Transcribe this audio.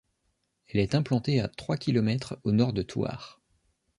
Elle est implantée à trois kilomètres au nord de Thouars.